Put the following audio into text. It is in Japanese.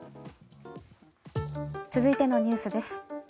続いてのニュースです。